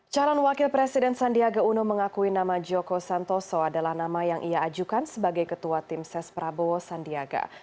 calon wakil presiden sandiaga uno mengakui nama joko santoso adalah nama yang ia ajukan sebagai ketua tim ses prabowo sandiaga